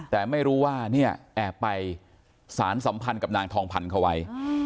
แต่ไม่รู้ว่าเนี่ยแอบไปสารสัมพันธ์กับนางทองพันธ์เขาไว้